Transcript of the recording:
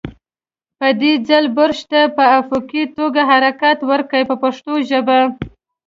په دې ځل برش ته په افقي توګه حرکت ورکړئ په پښتو ژبه.